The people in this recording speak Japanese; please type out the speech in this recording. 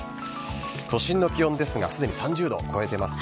都心の気温ですがすでに３０度を超えています。